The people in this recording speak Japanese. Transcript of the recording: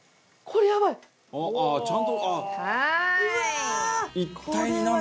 これやばいな。